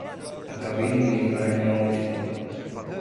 Acabei de me livrar de uma multidão.